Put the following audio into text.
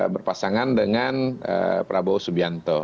berpasangan dengan prabowo subianto